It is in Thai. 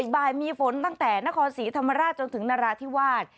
บ่ายมีฝนตั้งแต่นครศรีธรรมราชจนถึงนราธิวาส